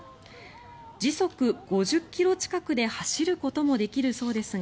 時速５０ｋｍ近くで走ることもできるそうですが